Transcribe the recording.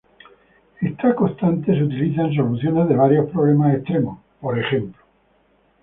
Esta constante se utiliza en soluciones de varios problemas extremos, por ejemplo;